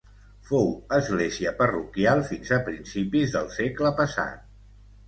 Fou església parroquial fins a principis del segle passat.